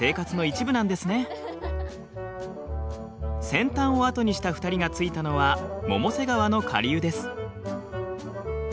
扇端を後にした２人が着いたのは百瀬川の下流です。